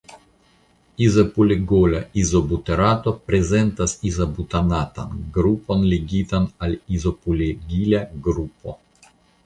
Izopulegola izobuterato prezentas izobutanatan grupon ligitan al izopulegila grupo.